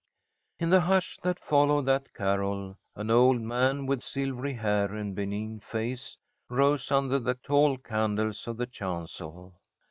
In the hush that followed that carol, an old man, with silvery hair and benign face, rose under the tall candles of the chancel.